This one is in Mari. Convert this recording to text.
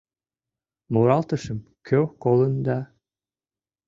Муралтышым - кӧ колын да